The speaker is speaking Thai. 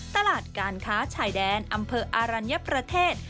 ตลาดการค้าชายแดนอำเภออารัญญประเทศ